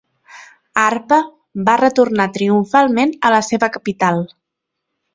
Arpa va retornar triomfalment a la seva capital.